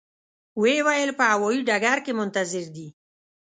و یې ویل په هوایي ډګر کې منتظر دي.